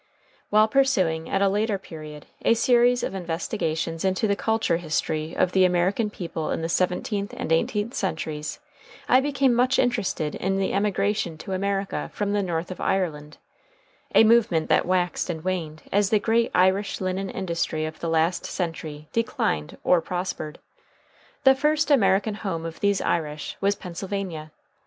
While pursuing at a later period a series of investigations into the culture history of the American people in the seventeenth and eighteenth centuries, I became much interested in the emigration to America from the north of Ireland, a movement that waxed and waned as the great Irish linen industry of the last century declined or prospered. The first American home of these Irish was Pennsylvania.